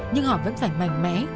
nhưng họ vẫn phải mạnh mẽ